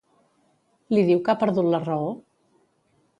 Li diu que ha perdut la raó?